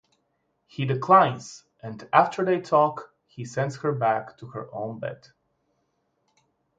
He declines, and after they talk, he sends her back to her own bed.